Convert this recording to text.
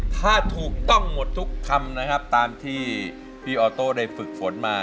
ถ้าถูกต้องหมดทุกคำนะครับตามที่พี่ออโต้ได้ฝึกฝนมา